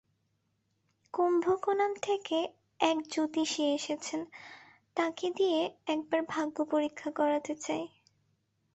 কুম্ভকোনাম থেকে এক জ্যোতিষী এসেছেন তাঁকে দিয়ে একবার ভাগ্যপরীক্ষা করাতে চাই।